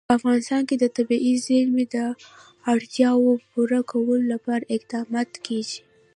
په افغانستان کې د طبیعي زیرمې د اړتیاوو پوره کولو لپاره اقدامات کېږي.